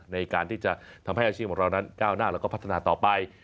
ในการที่จะทำให้อาชีพของเรานั้นก้าวหน้าแล้วก็พัฒนาต่อไป